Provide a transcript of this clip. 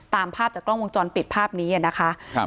ตามภาพจากกล้องวงจรปิดภาพนี้นะคะ